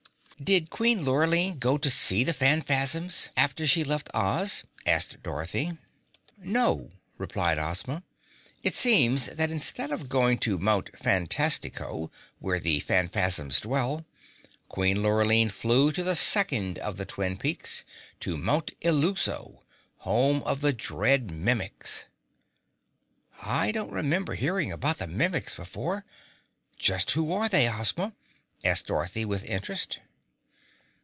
"Did Queen Lurline go to see the Phanfasms after she left Oz?" asked Dorothy. "No," replied Ozma. "It seems that instead of going to Mount Phantastico, where the Phanfasms dwell, Queen Lurline flew to the second of the twin peaks to Mount Illuso, home of the dread Mimics." "I don't remember hearing about the Mimics before. Just who are they, Ozma," asked Dorothy with interest.